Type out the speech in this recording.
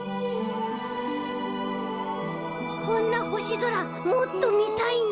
こんなほしぞらもっとみたいね。